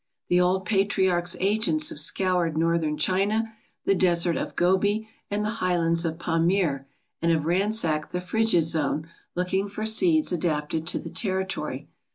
The old patriarch's agents have scoured northern China, the Desert of Gobi, and the highlands of Pamir, and have ransacked the Frigid Zone, looking for seeds adapted to the territory.